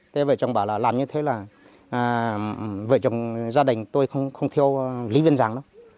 thế vợ chồng bảo là làm như thế là vợ chồng gia đình tôi không thiêu lý văn giàng đâu